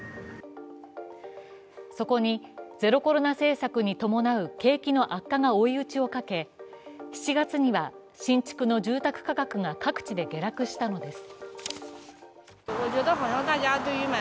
そこにゼロコロナ政策に伴う景気の悪化が追い打ちをかけ７月には新築の住宅価格が各地で下落したのです。